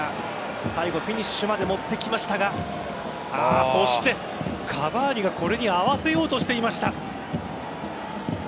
最後、フィニッシュまで持ってきましたがカヴァーニがこれに合わせようとしていました。